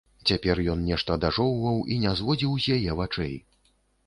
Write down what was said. Цяпер ён нешта дажоўваў і не зводзіў з яе вачэй.